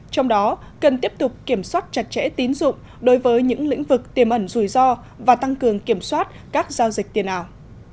trong đó cần tiếp tục kiểm soát chặt chẽ tín dụng đối với những lĩnh vực tiềm ẩn rủi ro và tăng cường kiểm soát các giao dịch tiền ảo